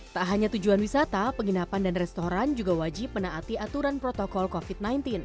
tak hanya tujuan wisata penginapan dan restoran juga wajib menaati aturan protokol covid sembilan belas